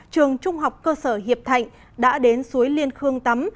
trường trung học cơ sở hiệp thạnh đã đến suối liên khương tắm